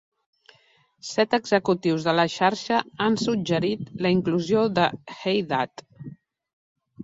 Set executius de la xarxa han suggerit la inclusió de "Hey Dad..!".